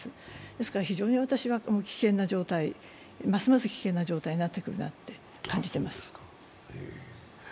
ですから非常に私は危険な状態、ますます危険な状態になってくるなと感じています。